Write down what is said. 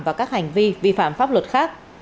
và các hành vi vi phạm pháp luật khác